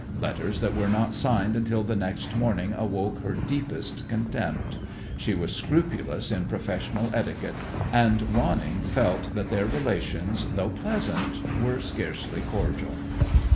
Letters that were not signed until the next morning awoke her deepest contempt. She was scrupulous in professional etiquette, and Wanning felt that their relations, though pleasant, were scarcely cordial.